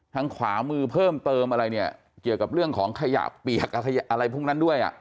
ทางขวามือเพิ่มเติมอะไรเนี่ยเกี่ยวกับเรื่องของขยะเปียกอะไรพวกนั้นด้วยอ่ะ